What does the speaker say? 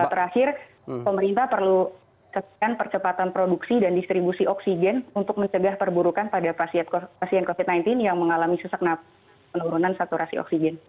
terakhir pemerintah perlu tetapkan percepatan produksi dan distribusi oksigen untuk mencegah perburukan pada pasien covid sembilan belas yang mengalami sesak penurunan saturasi oksigen